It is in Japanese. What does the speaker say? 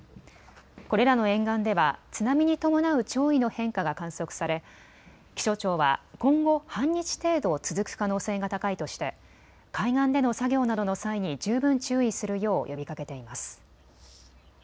これらの沿岸では津波に伴う潮位の変化が観測され気象庁は今後、半日程度続く可能性が高いとして海岸での作業などの際に十分注意するよう呼びかけています。